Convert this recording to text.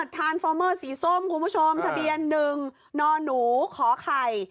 ทานฟอร์เมอร์สีส้มคุณผู้ชมทะเบียน๑นหนูขอไข่